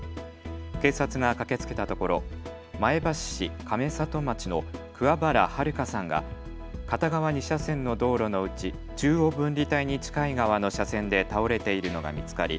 警察が駆けつけたところ前橋市亀里町の桑原悠さんが片側２車線の道路のうち、中央分離帯に近い側の車線で倒れているのが見つかり